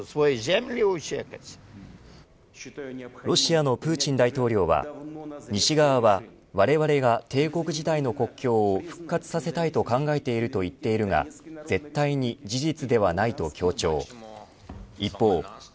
ロシアのプーチン大統領は西側はわれわれが帝国時代の国境を復活させたいと考えていると言っているが絶対に事実ではないと強調。